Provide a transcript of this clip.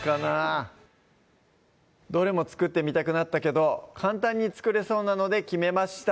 どれも作ってみたくなったけど簡単に作れそうなので決めました